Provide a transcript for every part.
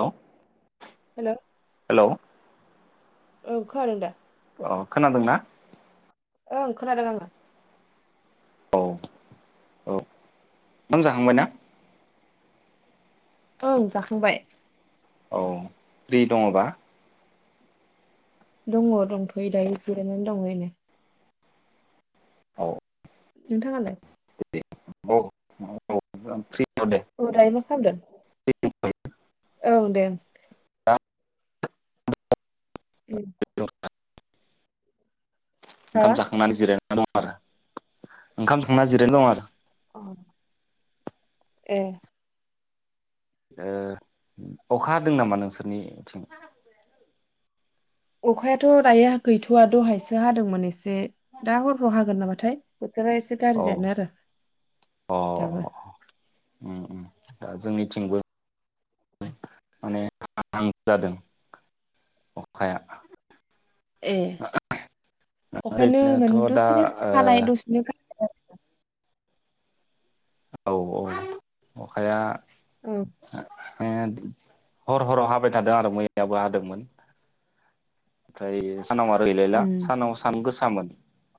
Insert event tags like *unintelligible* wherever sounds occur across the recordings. Hello. Hello. औ खोनादों दा? औ खोनादोंना? ओं खोनादों आङो। औ औ ओंखाम जाखांबाय ना? ओं जाखांबाय। औ फ्रि दङबा? दङ दंथ'यो दायो जिरायनानै दं एरिनो। औ। नोंथाङालाय? *inaudible* औ दायो मा खालामदों? औ दे दा उम हा ओंखाम जाखांनानै जिरायना ना दं आरो, ओंखाम जाखांना जिरायना दं आरो। अ। ए ओ अखा हादोंं नामा नोंसोरनि थिं? अखायाथ' दायोहा गैथ'वा दहायसो हादोंमोन एसे। दा हरफोराव हागोन नामा थाय बोथोरा एसे औ गारजियानो आरो अ दाबो। उम उम दा जोंनिथिंबो माने हाहां जादों अखाया ए अखायानो ओरैनोथ' मानि दा दसेनो हानाय दसेनो गारनाय औ औ अखाया औ। अखाया हर हराव हाबाय थादों आरो मैयाबो हादोंमोन ओमफ्राय सानाव आरो गैलायला उम सानाव सान गोसामोन।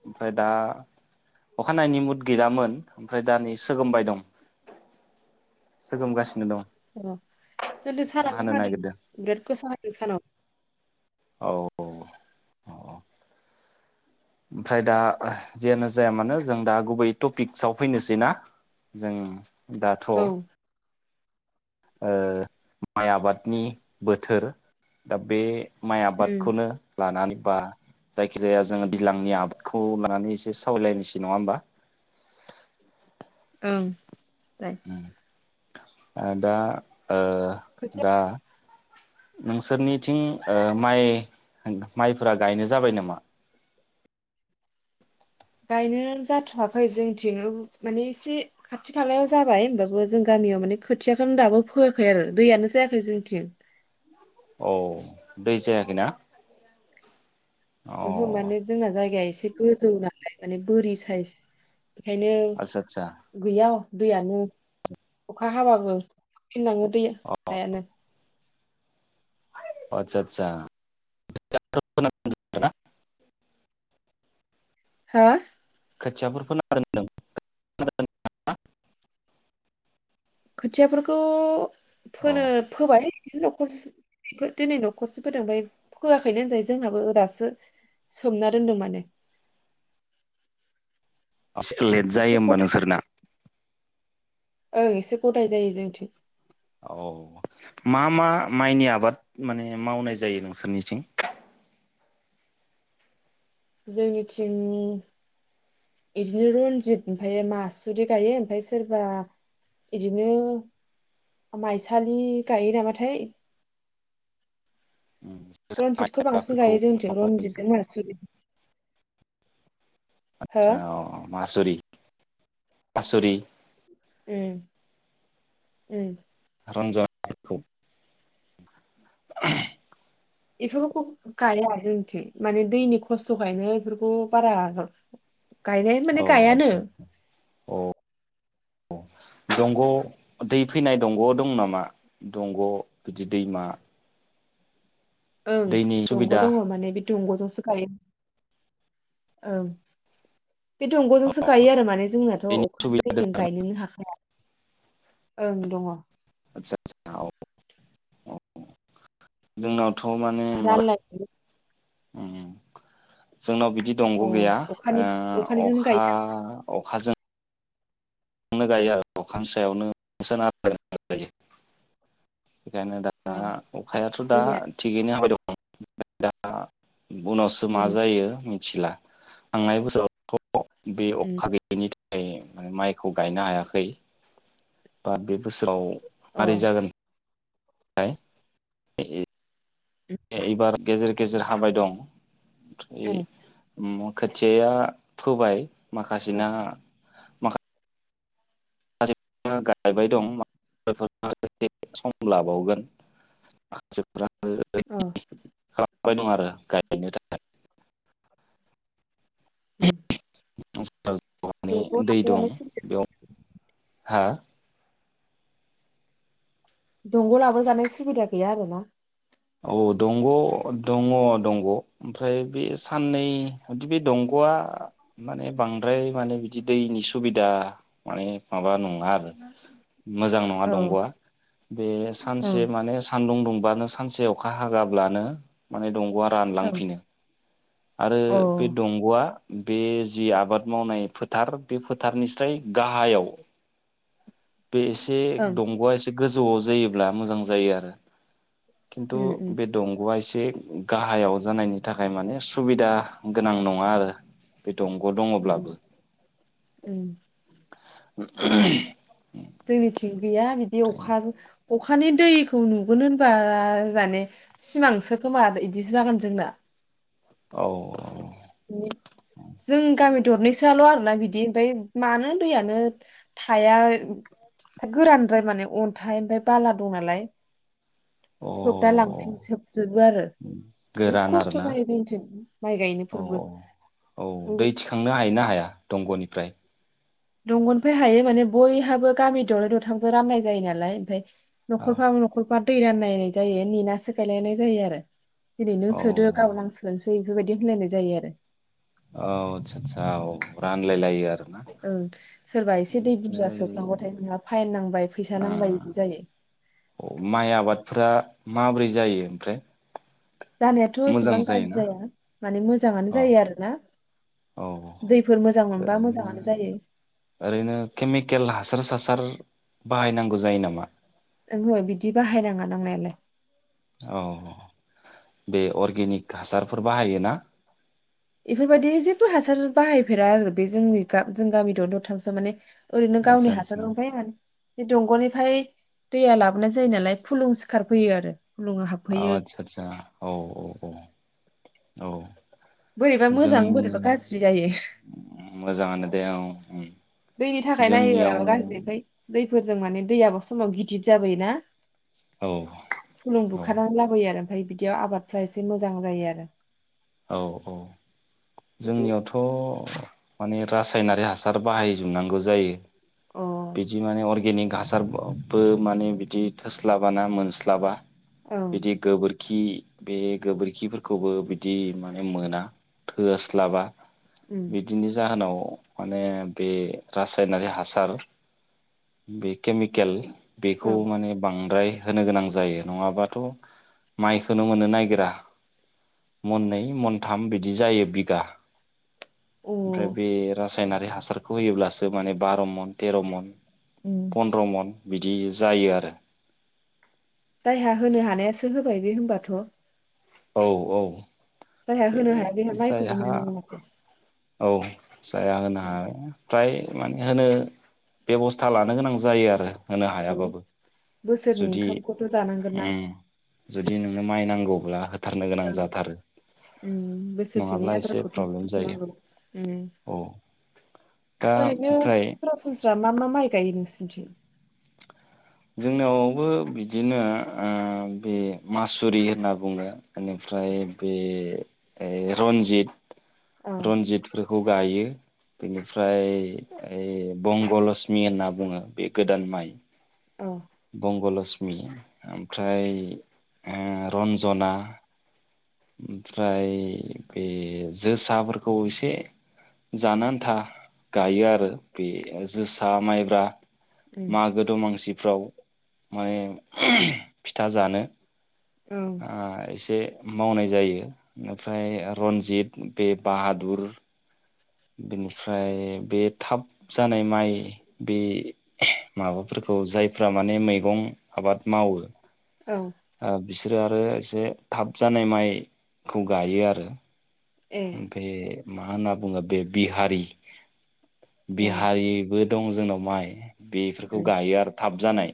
ओमफ्राय दा अखा हानायनि मुद गैलामोन ओमफ्राय दा नै सोगोमबाय दं सोगोमगासिनो दं। अ जोंनिथिं अखा सानावनो हानो हादों नागिरदों बिराद गोसा हादों सानाव। औ औ अ अ। ओमफ्राय दा जेयानो जाया मानो जों दा गुबै टपिक्सआव फैनोसै ना? जों दाथ' औ ओं ओ माइ आबादनि बोथोर दा बे माइ आबादखौनो लानानै बा जायखि जाया जोङो दैज्लांनि आबादखौ लानानै एसे सावरायलायनोसै नङा होमबा? ओं। बाय ओ दा ओ खोथिया दा नोंसोरनिथिं ओ माइ माइफोरा गायनाय जाबाय नामा? गायनो जाथ'वाखै जोंथिं माने एसे खाथि खालायाव जाबाय होमबाबो जों गामियाव माने खोथियाखौनो दाबो फोआखै आरो दैयानो जायाखै जोंथिं। औ दै जायाखैना? अ आदसा ओहो माने जोंना जायगाया एसे एसे गोजौ नालाय माने बोरि साइज। ओंखायनो आदसा गैया दैयानो अखा हाबाबो फिनलाङो दै अ हायानो। आदसा आदसा *unintelligible* हो? खोथिया फोर *unintelligible* खोथियाफोरखौ औ फोनो फोबाय न'खरस दिनै न'खरसे फदों ओफ्राय फोयखैनो होनजायो जोंहाबो दासो सोमना दोनदों माने। लेट जायो एसे होमबा गदाय नोंसोरना? ओं एसे गथाय जायो जोंथिं। औ मा मा माइनि आबाद माने मावनाय जायो नोंसोरनिथिं? जोंनिथिं बिदिनो रनजित ओमफ्राय मासुरि गायो ओमफाय सोरबा बिदिनो माइसालि गायो नामाथाय, रनजिथ खौ बांसिन फोरखौ गायो जोंनिथिं रनजितजों मायसालि हो आतसा अ मासुरि मासुरि ओम ओम *unintelligible* बेफोरखौ गाया जोंनिथिं माने दैनि खस्थ'खायनो बेफोरखौ बारा गायनाय औ माने गायानो आदसा दंग' दै फैनाय दंग' दं नामा दंग' बिदि दैमा ओं दैनि दंग' सुबिदा दङ माने बिदि दंग'जोंसो गायो बे दंग'जोंसो गायो आरो माने जोंनाथ' दैनि अखानि सुबिदा दं दैजों आरोना गायनोनो हाखाया ओं दङ आदसा आदसा औ जोंनाव माने रानलाय उम जोंनाव बिदि अ दंग गैया अखानि ओ अखानिजोंनो अखा गायो अखाजों नो गायो आरो अखानि सायावनो सोनारना गायो। बेखायनो दा आरो। अ अखायाथ दा जोंनिया थिगैनो हाबाय दं। *unintelligible* उनावसो मा उम जायो मिथिला। थांनाय बोसोरावथ बे उम अखा गोयैनि थाखाय माइ खौ गायनो हायाखै। बा बे बोसोराव अ मारै जागोन *unintelligible* एबार गेजेर गेजेर हाबाय दं। अ *unintelligible* खोथिया फोबाय। अ माखासेना माखा माखासेफोरा गायबाय दं एसे सम लाबावगोन माखासेफोरा औ फुबाय दं आरो गायनो थाखाय *inaudible* *unintelligible* हाजो दंग' *unintelligible* दै लाबोजानो दं सुबिदा बेयाव। हा? दंग' लाबो जानाय सुबिदा गैया आरो ना? औ। दंग' दङ दंग'। ओमफ्राय बे साननै बिदि बे दंग'आ माने बांद्राय माने जि दैनि सुबिदा माने माबा नङा आरो मोजां नङा औ दंगआ बे औ सानसे माने सान्दुं दुं बानोस सानसे अखा हागाब्लानो माने दंग'आ औ रानलांफिनो। आरो बे ओं दंग'आ बे जि आबाद मावनाय फोथार बे फोथारनिस्राय गाहायाव बे एसे उम दंग'आ एसे गोजौआव जायोब्ला मोजां जायो आरो। खिन्थु उम बे दंगा एसे एसे गाहायाव जानायनि थाखाय माने स सुबिदा गोनां नङा आरो। बे दंग' उम दङब्लाबो। *inaudible* उम ओहोम। जोंनिथिं गैया बिदि अखाज अखानि दैखौ नुगोन होनबा माने सिमांसो खोमा इदिसो जागोन जोंना। औ। जों गामि दरनैसोआल' आरोना बिदि ओमफ्राय मानो दैयानो थाया गोरानद्राय माने अन्थाइ ओमफ्राय बाला दं नालाय। औ अ सोबना लांफिन सोबजोबो आरो बुहुद गोरान खस्थ' आरोना जायो जोंथिं माइ गायनो। औ औ औ दै थिखांनो हायो ना हाया दंग'नि? फ्राय। दंग'निफाय हायो माने बयहाबो गामि दरनै दथामजों राननाय जायो नालाय ओमफ्राय औ न'खरफा न'खर बा दै रानलानायनाय जायो नेना गायलायनाय जायो आरो। दिनै नों औ सोदो गाबोन आं सोनोस बैफोरबायदि होनलायनाय जायो आरो। औ आतसा आतसा औ रानलायलायो आरो ओं सोरबा एसे दै बुरजा ओमफ्राय सोफ्लांबाथाय नोंहा फाइन नांबाय फैसा नांबाय बिदि जायो। औ माइ आबादफ्रा माबोरै जायो ओमफ्राय जानायाथ' मोजां एसेबां गाज्रि जायोना जाया माने मोजाङानो औ जायो आरोना औ दैफोर मोजां मोनबा ओरैनो मोजाङानो जायो। ओरैनो केमिकेल हासार सासार बाहायनांगौ जायो नामा? ओंहो बिदि बाहायनाङा नांनायालाय औ बे अर्गेनिक हासारफोर बाहायो ना? इफोरबायदि जेबो हासार बाहायफेरा आरो बे जोंनि जों गामि द दरथामसो माने ओरैनो आदसा गावनि हासार आदसा दंखायोनो बे दंग'निफ्राय दैया लाबोनाय जायो नालाय फुलुं सिखारफैयो आरो फुलुङा औ हाबफैयो आदसा आतसा औ औ औ औ बोरैबा मोजां जोंनि बोरैबा गाज्रि जायो। मोजाङानो दे औ उम दैनि थाखाय नायोबा जोंनियाव गाज्रि ओमफ्राय दै फोरजों माने दैयाबो समाव गिदिद जाबायो ना औ फुलुं औ बुखारनानै लाबोयो आरो ओमफाय बिदियाव आबादफ्रा एसे मोजां जायो आरो औ औ एसे जोंनियावथ' माने रासायनारि हासार बाहायजोबनांगौ जायो। अ बिदि माने अर्गेनिक हासारब बो माने बिदि थोस स्लाबा ना मोनस्लाबा ओं बिदि गोबोर खि बे गोबोरखिफोरखौबो बि दि माने मोना थोआस्लाबा उम बिदिनि जाहोनाव माने बे रासायनारि हासार बे केमिकेल बेखौ ओं माने बांद्राय होनो गोनां जायो नङाबाथ' माइखौनो मोननो नागिरा मोननै मोनथाम बिदि जायो बिगा ओमफ्राय अ बे रा सायनारि हासारखौ होयोब्लासो माने बार' मन तेर' मन उम फन्द्र मन बिदि जायो आरो बायदि हमबाथ' औ औ जायहा होनो बे हाया बेहा माइखौनो जायहा मोननाय नङा माथो जायहा होनो हाया फ्राय माने होनो बेबस्था लानो गोनां जायो आरो। होनो औ हायाबाबो बोसोरनि जुदि ओंखामखौथ' जानांगोन ना उम जुदि नोंनो माइ नांगौब्ला होथारनो गोनां औ जाथारो उम बोसोरसेनि नङाब्ला एसे आदारखौथ' प्रब्लेम जायो बुथुमनांगौ उम औ दा ओरैनो ओमफ्राय सरासनस्रा मा मा माइ गायो नोंस निथिं? जोंनियावबो बिदिनो ओ बे मासुरि होनना बुङो। औ बेनिफ्राय बे ओय रन्जित औ रन्जितफोर खौ गायो बेनिफ्राय ओय बंगलषमि होनना बुङो बे गोदान माइ औ बंगलषमि ओमफ्राय ओ रन्जना ओमफ्राय बे जोसाफोरखौ एसे जानो आन्था गायो आरो बे जोसा माइब्रा उम मागो दमांसि फ्राव माने फिथा जानो। औ ओ एसे मावनाय जायो ओमफ्राय रन्जित बे बाहादुर बेनिफ्राय बे थाब जानाय माइ बे माबाफोरखौ जायफ्रा माने मैगं आबाद मावो औ ओ बिस रो आरो एसे थाब जानाय माइखौ गायो आरो। ए ओमफ्राय मा होनना बुङो बे बिहारि अ बिहारिबो दङ जोंनाव माइ बेफोरखौ उम गायो आरो थाब जानाय।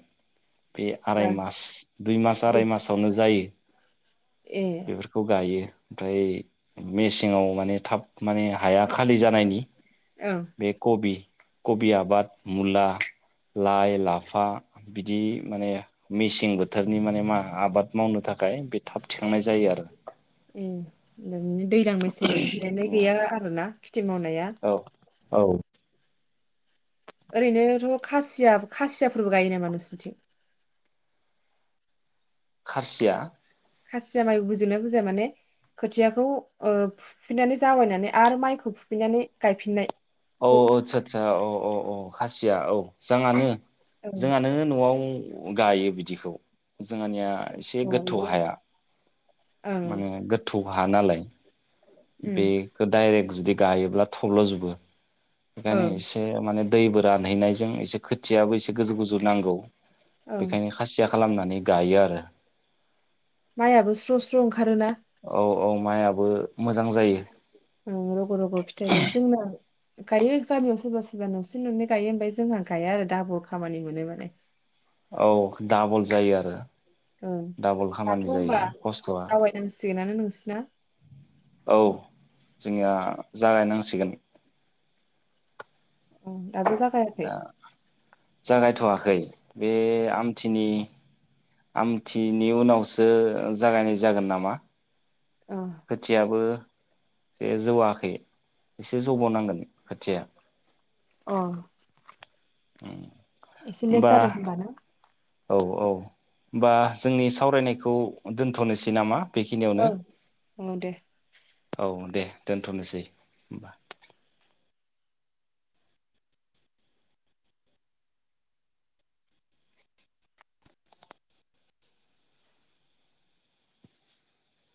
बे बा आराय मास दुइ मास आराय मासावनो जायो। ए बेफोरखौ गायो। ओमफ्राय मेसेंआव माने थाब माने हाया खालि जा नायनि औ बे कबि कबि आबाद, मुला, लाय, लाफा। बिदि माने मेसें बोथोर बोथोरनि माने माय आबाद मावनो थाखाय बे थाब थिखांनाय जायो आरो। उम नो दैज्लां मेसें जिरायनाय अ गैया आरो ना? थिं मावनाया। औ औ। ओरैनोथ' खासिया खासियाफोरबो गायो नामा नोंसोरथिं? खासिया खासिया माइ बुजियोना बुरजिया माने खोथियाखौ फुफिनानै जावाबायनानै आरो माइखौ फुफिननानै गायफिननाय। औ गु आतसा आतसा खासि या औ जाङानो ओं जोंहानो न'आव गायो बिदिखौ जोंहानिया एसे अ गोथौ बिदिनो हाया। ओं माने गोथौ बा हा नालाय। उम बेखो डायरेक जुदि गायोब्ला थब्ल'जोबो। बेखानो ओं एसे माने दैबो रानहैनायजों एसे खोथियाबो एसे गोजौ गोजौ नांगौ। ओं बेखायनो खासिया खालामनानै गायो आरो। माइयाबो स्र' स्र' ओंखारोना। औ औ माइयाबो मोजां जायो। ओं रग' रग' फिथाइ जायो जोंना गायो गामियाव सोरबा सोरबा न'से न'नै गायो ओमफाय जोंहा गाया आरो दाबल खामानि मोनो माने। औ डाबल जायो आरो ओं डाबल दाथ' खामानि होनबा जायो खस्थ'आ जावायनांसिगोनानो नोंसिना। औ जोंनिया जागायनांसिगोन। ओं दाबो जागायाखै? दा जागायथ'वाखै बे आमथिनि आमथिनि उनावसो जागायनाय जागोन नामा। अ खोथियाबो जे जौआखै एसे जौब'नांगोन खोथिया। अ उम एसे लेद जादों होनाबा ना औ औ होनोमबा जोंनि सावरायनायखौ दोनथ'नोसै नामा बेखिनियावनो औ औ दे औ दे दोनथ'नोसै होनबा